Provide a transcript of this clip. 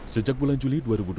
sejak bulan juli dua ribu dua puluh